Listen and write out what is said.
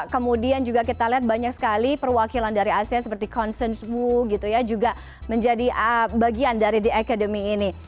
kemudian juga kita lihat banyak sekali perwakilan dari asia seperti consen wu gitu ya juga menjadi bagian dari the academy ini